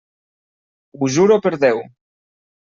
Ho juro per Déu.